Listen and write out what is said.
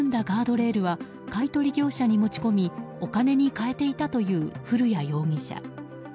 ガードレールは買い取り業者に持ち込みお金に換えていたという古谷容疑者。